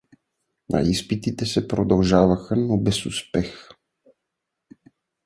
А изпитите се продължаваха, но без успех.